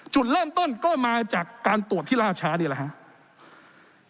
จุดเริ่มต้นก็มาจากการตรวจที่ล่าช้านี่แหละครับ